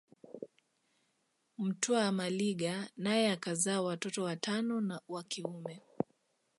Mtwa Maliga naye akazaa watoto watano wa kiume